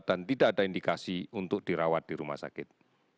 dan tidak ada indikasi untuk dirawat di rumah sakit